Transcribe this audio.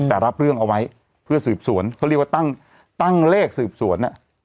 แต่รับเรื่องเอาไว้เพื่อสืบสวนเขาเรียกว่าตั้งตั้งเลขสืบสวน